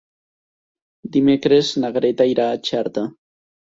Dimecres na Greta irà a Xerta.